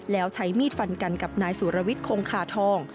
แล้วใช้มีดฟันกันกับนายสุรวิทย์คงคาทอง